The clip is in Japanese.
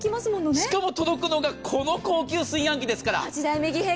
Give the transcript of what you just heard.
しかも届くのがこの高級炊飯器ですから。